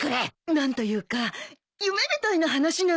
何というか夢みたいな話なんだ。